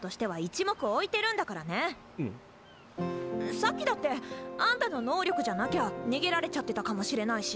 さっきだってアンタの能力じゃなきゃ逃げられちゃってたかもしれないし。